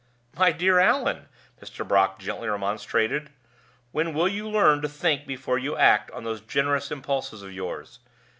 "My dear Allan," Mr. Brock gently remonstrated, "when will you learn to think before you act on those generous impulses of yours?